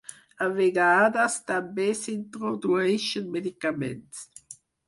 A vegades també s'introdueixen medicaments.